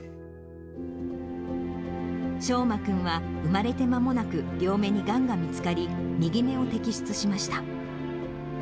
聖真君は産まれてまもなく両目にがんが見つかり、右目を摘出しました。